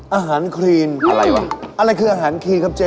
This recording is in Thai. อาหารครีนอะไรวะอะไรคืออาหารครีนครับเจ๊